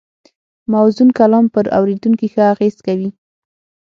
موزون کلام پر اورېدونکي ښه اغېز کوي